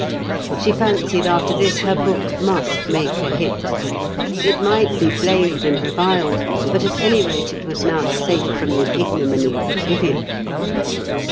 She fancied after this her book must make a hit. It might be blamed and reviled, but at any rate it was now safe from the ignominy of oblivion.